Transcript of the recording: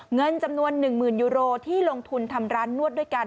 เงินจำนวน๑๐๐๐ยูโรที่ลงทุนทำร้านนวดด้วยกัน